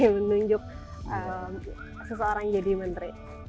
menunjuk seseorang menjadi menteri